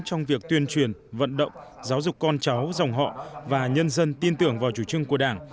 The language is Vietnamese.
trong việc tuyên truyền vận động giáo dục con cháu dòng họ và nhân dân tin tưởng vào chủ trương của đảng